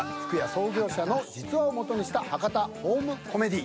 創業者の実話を基にした博多ホームコメディ。